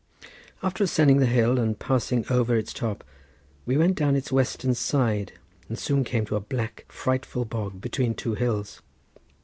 After ascending the hill and passing over its top we went down its western side and soon came to a black frightful bog between two hills.